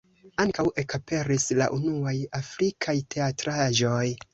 Ankaŭ ekaperis la unuaj afrikaj teatraĵoj.